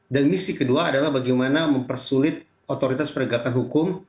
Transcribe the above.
dan misi kedua adalah bagaimana mempersulit otoritas perenggatan hukum